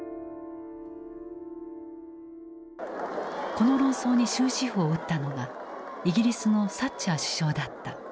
この論争に終止符を打ったのがイギリスのサッチャー首相だった。